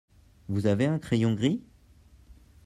Vous avez ur crayon gris ?